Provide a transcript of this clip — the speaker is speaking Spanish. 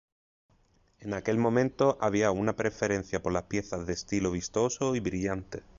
En aquel momento había una preferencia por las piezas de estilo vistoso y brillante.